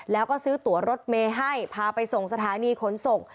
แล้วก็ซื้อตัวรถเมย์ให้พาไปส่งสถานีขนส่ง